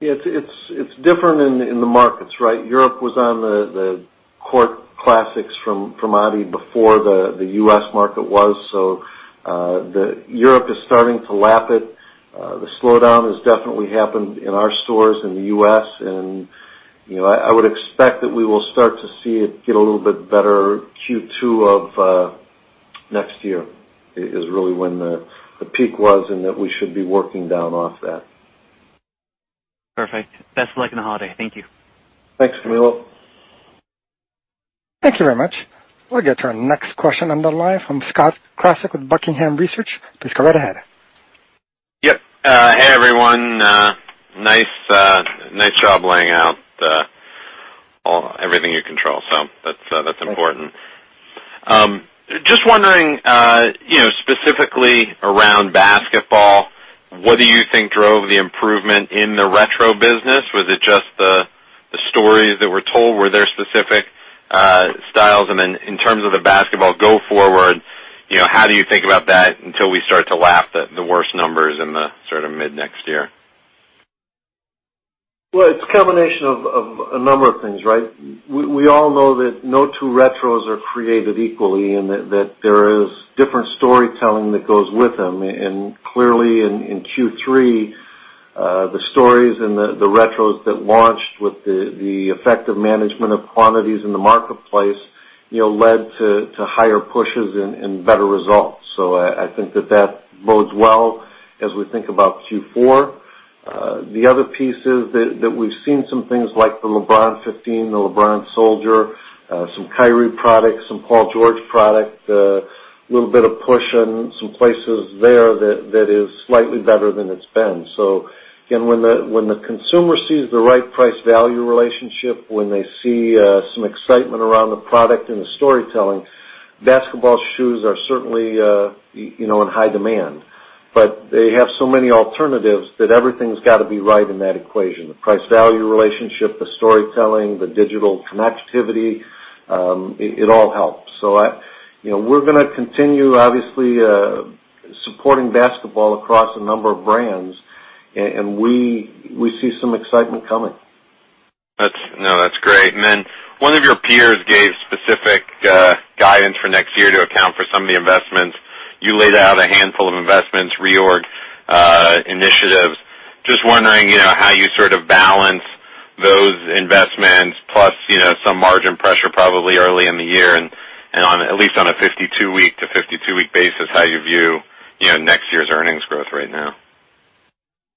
It's different in the markets, right? Europe was on the court classics from Adidas before the U.S. market was. Europe is starting to lap it. The slowdown has definitely happened in our stores in the U.S., and I would expect that we will start to see it get a little bit better Q2 of next year, is really when the peak was and that we should be working down off that. Perfect. Best of luck in the holiday. Thank you. Thanks, Camilo. Thank you very much. We'll get to our next question on the line from Scott Ciccarelli with Buckingham Research. Please go right ahead. Yep. Hey, everyone. Nice job laying out everything you control. That's important. Just wondering, specifically around basketball, what do you think drove the improvement in the retro business? Was it just the stories that were told? Were there specific styles? In terms of the basketball go forward, how do you think about that until we start to lap the worst numbers in the sort of mid-next year? Well, it's a combination of a number of things, right? We all know that no two retros are created equally, and that there is different storytelling that goes with them. Clearly in Q3, the stories and the retros that launched with the effective management of quantities in the marketplace led to higher pushes and better results. I think that that bodes well as we think about Q4. The other piece is that we've seen some things like the LeBron 15, the LeBron Soldier, some Kyrie products, some Paul George product, a little bit of push in some places there that is slightly better than it's been. Again, when the consumer sees the right price-value relationship, when they see some excitement around the product and the storytelling, basketball shoes are certainly in high demand. They have so many alternatives that everything's got to be right in that equation. The price-value relationship, the storytelling, the digital connectivity, it all helps. We're going to continue, obviously, supporting basketball across a number of brands, and we see some excitement coming. That's great. One of your peers gave specific guidance for next year to account for some of the investments. You laid out a handful of investments, reorg initiatives. Just wondering how you sort of balance those investments plus some margin pressure probably early in the year and at least on a 52-week to 52-week basis, how you view next year's earnings growth right now.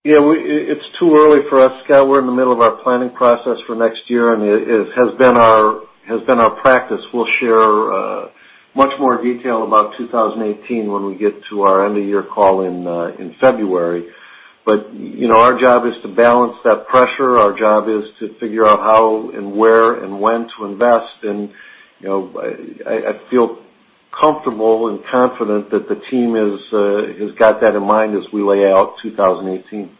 It's too early for us, Scott. We're in the middle of our planning process for next year. It has been our practice. We'll share much more detail about 2018 when we get to our end-of-year call in February. Our job is to balance that pressure. Our job is to figure out how and where and when to invest. I feel comfortable and confident that the team has got that in mind as we lay out 2018.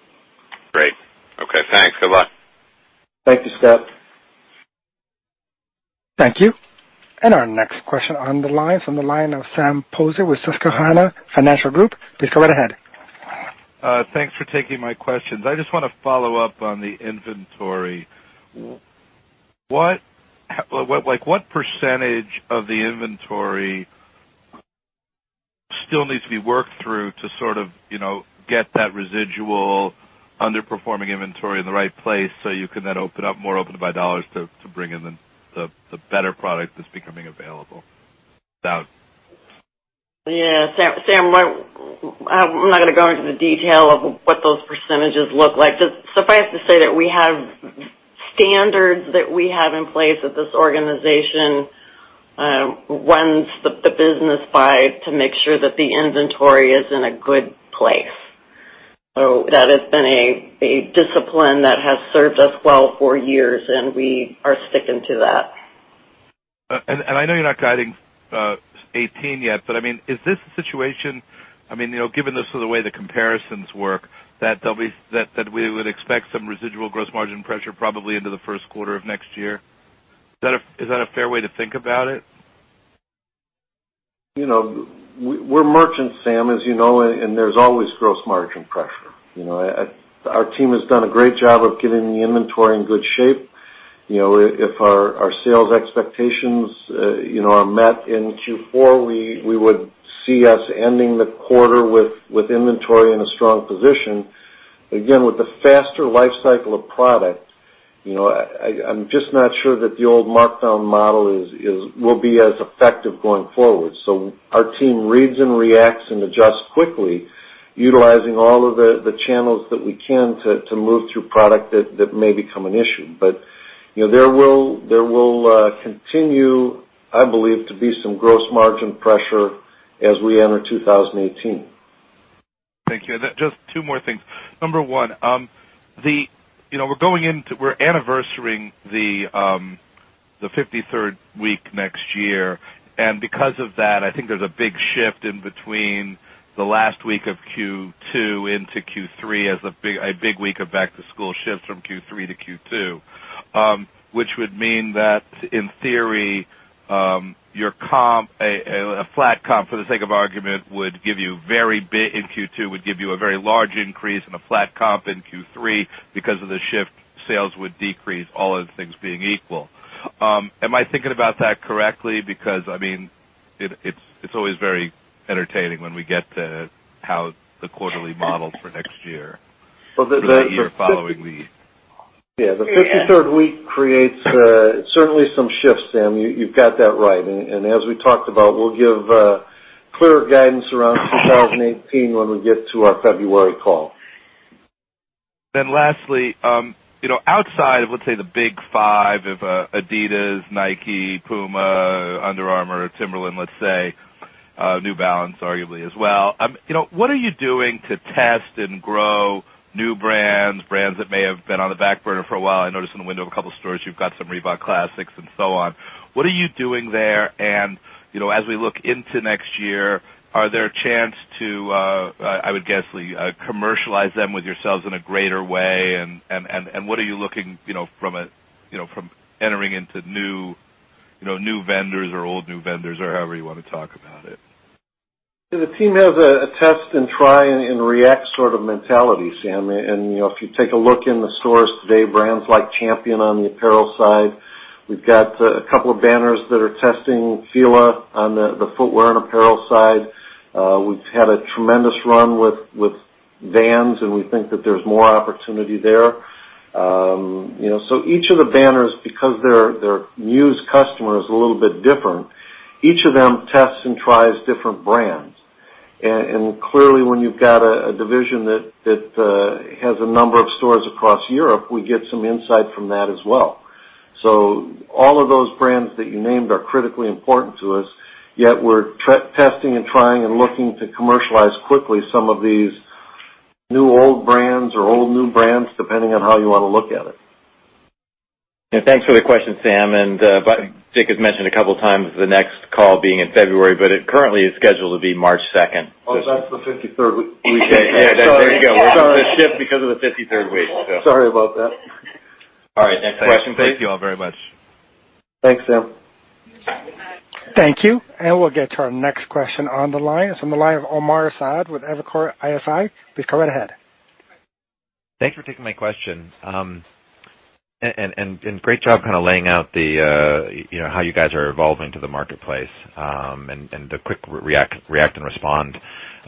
Great. Okay. Thanks. Good luck. Thank you, Scott. Thank you. Our next question on the line is from the line of Sam Poser with Susquehanna Financial Group. Please go right ahead. Thanks for taking my questions. I just want to follow up on the inventory. What percentage of the inventory still needs to be worked through to sort of get that residual underperforming inventory in the right place so you can then open up more open-to-buy dollars to bring in the better product that's becoming available? Sam, I'm not going to go into the detail of what those percentages look like. Just suffice to say that we have standards that we have in place that this organization runs the business by to make sure that the inventory is in a good place. That has been a discipline that has served us well for years, and we are sticking to that. I know you're not guiding 2018 yet. Is this the situation, given the sort of the way the comparisons work, that we would expect some residual gross margin pressure probably into the first quarter of next year? Is that a fair way to think about it? We're merchants, Sam, as you know, there's always gross margin pressure. Our team has done a great job of getting the inventory in good shape. If our sales expectations are met in Q4, we would see us ending the quarter with inventory in a strong position. Again, with the faster life cycle of product, I'm just not sure that the old markdown model will be as effective going forward. Our team reads and reacts and adjusts quickly, utilizing all of the channels that we can to move through product that may become an issue. There will continue, I believe, to be some gross margin pressure as we enter 2018. Thank you. Just two more things. Number one, we're anniversarying the 53rd week next year. Because of that, I think there's a big shift in between the last week of Q2 into Q3 as a big week of back-to-school shifts from Q3 to Q2. Which would mean that, in theory, a flat comp, for the sake of argument, in Q2, would give you a very large increase and a flat comp in Q3. Because of the shift, sales would decrease, all other things being equal. Am I thinking about that correctly? Because it's always very entertaining when we get to how the quarterly models for next year. Well, the- For that year following the Yeah. The 53rd week creates certainly some shifts, Sam, you've got that right. As we talked about, we'll give clearer guidance around 2018 when we get to our February call. Lastly, outside of, let's say, the big five of Adidas, Nike, Puma, Under Armour, Timberland, let's say, New Balance arguably as well. What are you doing to test and grow new brands that may have been on the back burner for a while? I noticed in the window of a couple stores you've got some Reebok Classics and so on. What are you doing there? And as we look into next year, are there chance to, I would guess, commercialize them with yourselves in a greater way? What are you looking from entering into new vendors or old new vendors or however you want to talk about it? The team has a test and try and react sort of mentality, Sam. And if you take a look in the stores today, brands like Champion on the apparel side. We've got a couple of banners that are testing Fila on the footwear and apparel side. We've had a tremendous run with Vans, and we think that there's more opportunity there. So each of the banners, because their muse customer is a little bit different, each of them tests and tries different brands. And clearly, when you've got a division that has a number of stores across Europe, we get some insight from that as well. So all of those brands that you named are critically important to us, yet we're testing and trying and looking to commercialize quickly some of these new old brands or old new brands, depending on how you want to look at it. Yeah. Thanks for the question, Sam. And Dick has mentioned a couple of times the next call being in February, it currently is scheduled to be March 2nd. Oh, that's the 53rd week. Yeah. There you go. We're going to shift because of the 53rd week, so. Sorry about that. All right. Next question, please. Thank you all very much. Thanks, Sam. Thank you. We'll get to our next question on the line. It's from the line of Omar Saad with Evercore ISI. Please go right ahead. Thanks for taking my question. Great job kind of laying out how you guys are evolving to the marketplace, and the quick react and respond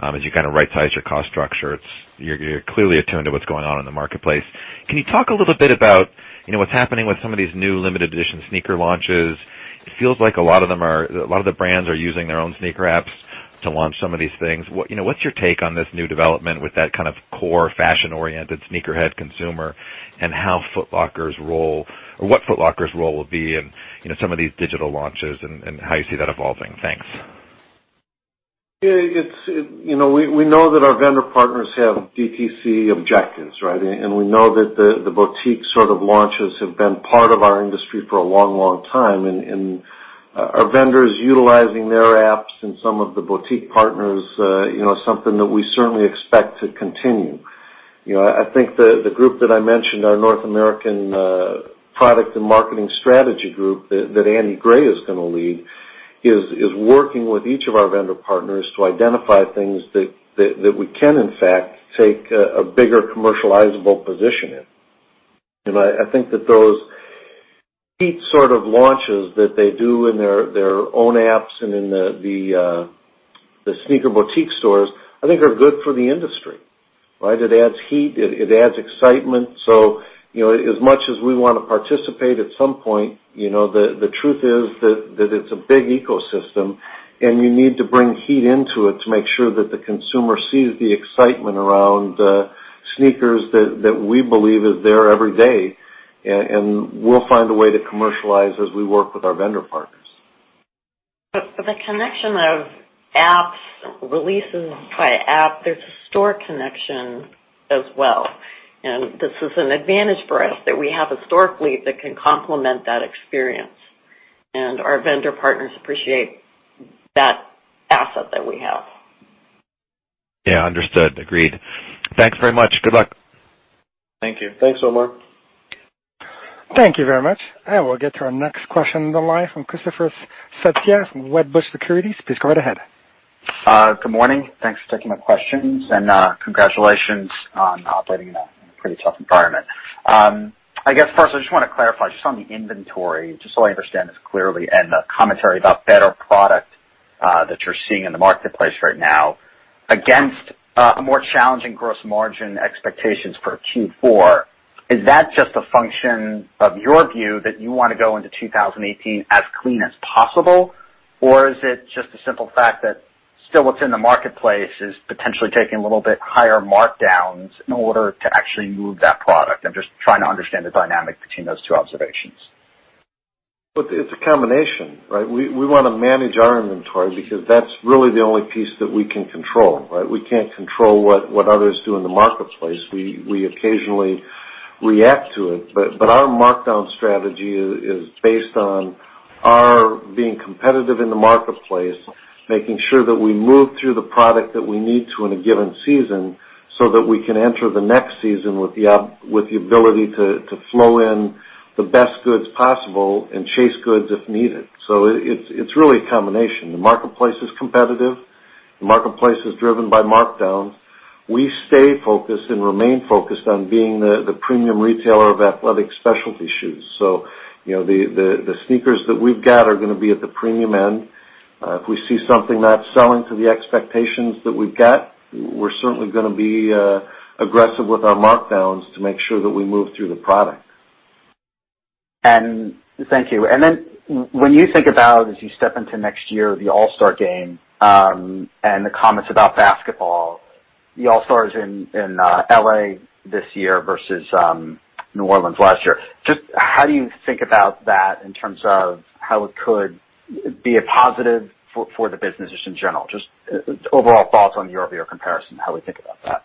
as you kind of right-size your cost structure. You're clearly attuned to what's going on in the marketplace. Can you talk a little bit about what's happening with some of these new limited edition sneaker launches? It feels like a lot of the brands are using their own sneaker apps to launch some of these things. What's your take on this new development with that kind of core fashion-oriented sneakerhead consumer and what Foot Locker's role will be in some of these digital launches and how you see that evolving? Thanks. We know that our vendor partners have DTC objectives, right? We know that the boutique sort of launches have been part of our industry for a long, long time. Our vendors utilizing their apps and some of the boutique partners, something that we certainly expect to continue. I think the group that I mentioned, our North American product and marketing strategy group that Andy Gray is going to lead, is working with each of our vendor partners to identify things that we can, in fact, take a bigger commercializable position in. I think that those heat sort of launches that they do in their own apps and in the sneaker boutique stores, I think are good for the industry, right? It adds heat. It adds excitement. As much as we want to participate at some point, the truth is that it's a big ecosystem, and you need to bring heat into it to make sure that the consumer sees the excitement around sneakers that we believe is there every day. We'll find a way to commercialize as we work with our vendor partners. The connection of apps Releases by app, there's a store connection as well. This is an advantage for us that we have a store fleet that can complement that experience. Our vendor partners appreciate that asset that we have. Yeah. Understood. Agreed. Thanks very much. Good luck. Thank you. Thanks, Omar. Thank you very much. We'll get to our next question on the line from Christopher Svezia from Wedbush Securities. Please go right ahead. Good morning. Thanks for taking my questions, and congratulations on operating in a pretty tough environment. I guess, first, I just want to clarify just on the inventory, just so I understand this clearly and the commentary about better product that you're seeing in the marketplace right now against more challenging gross margin expectations for Q4. Is that just a function of your view that you want to go into 2018 as clean as possible? Or is it just the simple fact that still what's in the marketplace is potentially taking a little bit higher markdowns in order to actually move that product? I'm just trying to understand the dynamic between those two observations. Look, it's a combination, right? We want to manage our inventory because that's really the only piece that we can control, right? We can't control what others do in the marketplace. We occasionally react to it. Our markdown strategy is based on our being competitive in the marketplace, making sure that we move through the product that we need to in a given season, so that we can enter the next season with the ability to flow in the best goods possible and chase goods if needed. It's really a combination. The marketplace is competitive. The marketplace is driven by markdowns. We stay focused and remain focused on being the premium retailer of athletic specialty shoes. The sneakers that we've got are going to be at the premium end. If we see something not selling to the expectations that we've got, we're certainly going to be aggressive with our markdowns to make sure that we move through the product. Thank you. When you think about, as you step into next year, the All-Star Game, and the comments about basketball, the All-Star's in L.A. this year versus New Orleans last year. Just how do you think about that in terms of how it could be a positive for the business just in general? Just overall thoughts on the year-over-year comparison, how we think about that.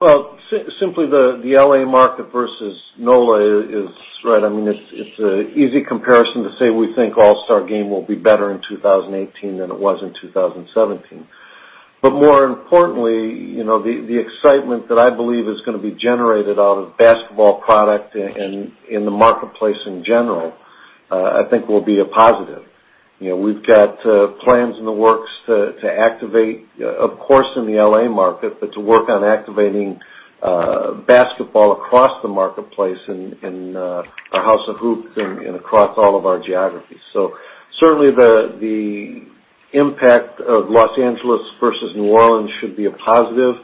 Well, simply the L.A. market versus NOLA is right. I mean, it's an easy comparison to say we think All-Star Game will be better in 2018 than it was in 2017. More importantly, the excitement that I believe is going to be generated out of basketball product in the marketplace in general, I think will be a positive. We've got plans in the works to activate, of course, in the L.A. market, but to work on activating basketball across the marketplace in our House of Hoops and across all of our geographies. Certainly the impact of Los Angeles versus New Orleans should be a positive.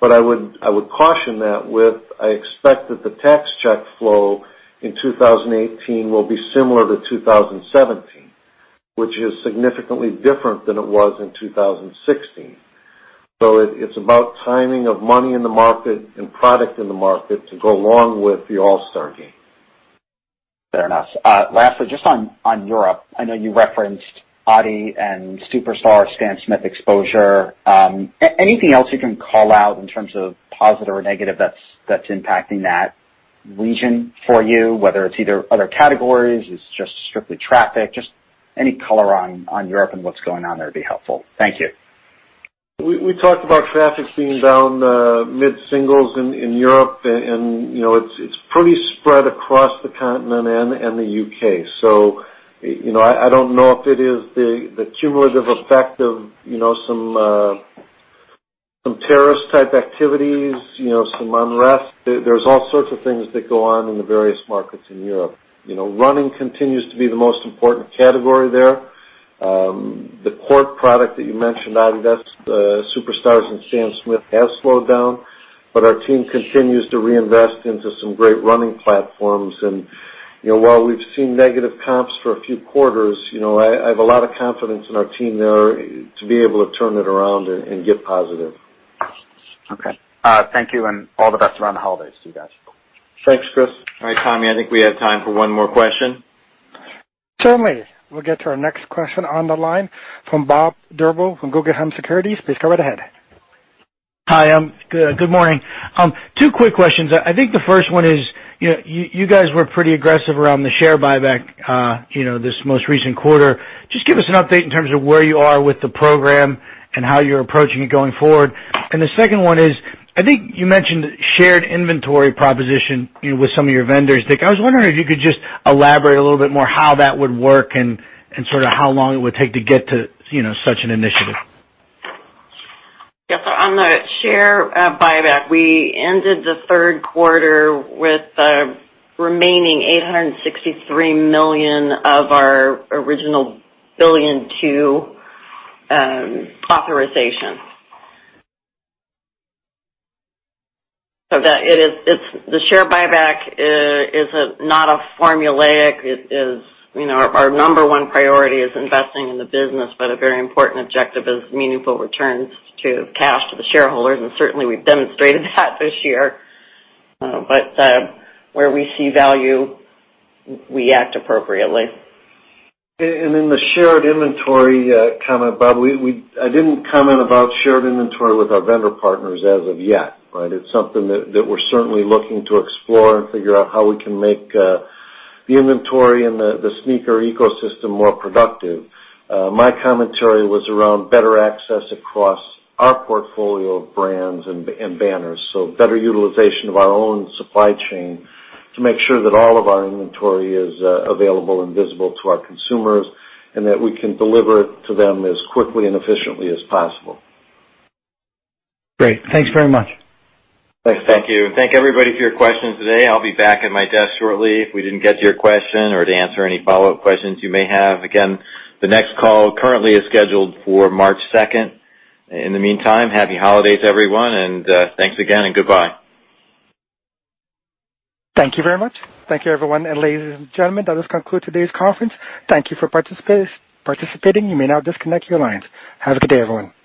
I would caution that with, I expect that the tax check flow in 2018 will be similar to 2017, which is significantly different than it was in 2016. It's about timing of money in the market and product in the market to go along with the All-Star Game. Fair enough. Lastly, just on Europe, I know you referenced Adidas and Superstar, Stan Smith exposure. Anything else you can call out in terms of positive or negative that's impacting that region for you, whether it's either other categories, it's just strictly traffic, just any color on Europe and what's going on there would be helpful. Thank you. We talked about traffic being down mid-singles in Europe and it's pretty spread across the continent and the U.K. I don't know if it is the cumulative effect of some terrorist-type activities, some unrest. There's all sorts of things that go on in the various markets in Europe. Running continues to be the most important category there. The court product that you mentioned, Adidas, that's the Superstar and Stan Smith has slowed down. Our team continues to reinvest into some great running platforms. While we've seen negative comps for a few quarters, I have a lot of confidence in our team there to be able to turn it around and get positive. Okay. Thank you, all the best around the holidays to you guys. Thanks, Chris. All right, Tommy, I think we have time for one more question. Certainly. We'll get to our next question on the line from Bob Drbul from Guggenheim Securities. Please go right ahead. Hi. Good morning. Two quick questions. I think the first one is, you guys were pretty aggressive around the share buyback this most recent quarter. Just give us an update in terms of where you are with the program and how you're approaching it going forward. The second one is, I think you mentioned shared inventory proposition with some of your vendors. I was wondering if you could just elaborate a little bit more how that would work and sort of how long it would take to get to such an initiative. Yes. On the share buyback, we ended the third quarter with a remaining $863 million of our original $1.2 billion authorization. The share buyback is not formulaic. Our number one priority is investing in the business, a very important objective is meaningful returns to cash to the shareholders, certainly, we've demonstrated that this year. Where we see value, we act appropriately. In the shared inventory comment, Bob, I didn't comment about shared inventory with our vendor partners as of yet, right? It's something that we're certainly looking to explore and figure out how we can make the inventory and the sneaker ecosystem more productive. My commentary was around better access across our portfolio of brands and banners, so better utilization of our own supply chain to make sure that all of our inventory is available and visible to our consumers, and that we can deliver it to them as quickly and efficiently as possible. Great. Thanks very much. Thanks, Bob. Thank you. Thank everybody for your questions today. I'll be back at my desk shortly if we didn't get to your question or to answer any follow-up questions you may have. The next call currently is scheduled for March 2nd. Happy holidays, everyone, and thanks again, and goodbye. Thank you very much. Thank you, everyone. Ladies and gentlemen, that does conclude today's conference. Thank you for participating. You may now disconnect your lines. Have a good day, everyone.